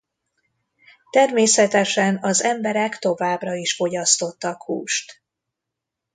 Természetesen az emberek továbbra is fogyasztottak húst.